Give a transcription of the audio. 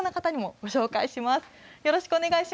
よろしくお願いします。